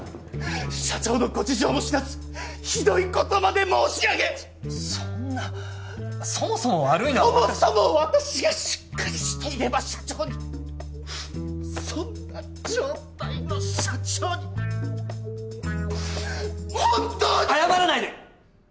社長のご事情も知らずひどいことまで申し上げそんなそもそも悪いのはそもそも私がしっかりしていれば社長にそんな状態の社長に本当に謝らないで！